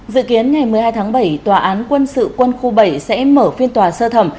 dự kiến ngày một mươi hai tháng bảy tòa án quân sự quân khu bảy sẽ mở phiên tòa sơ thẩm